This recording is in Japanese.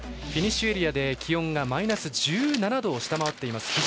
フィニッシュエリアで気温がマイナス１７度を下回っています。